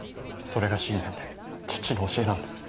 それが信念で父の教えなので。